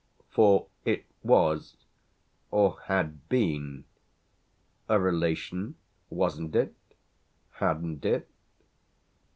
For it was, or had been, a relation, wasn't it, hadn't it?